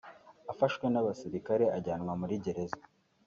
afashwe n’abasirikare ajyanwa muri gereza